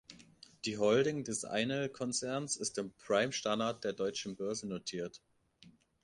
Die Holding des Einhell-Konzerns ist im Prime Standard der Deutschen Börse notiert.